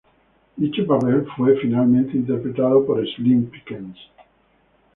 Dicho papel fue finalmente interpretado por Slim Pickens.